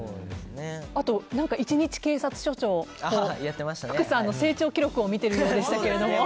あと１日警察署長福さんの成長記録を見ているようでしたけれど。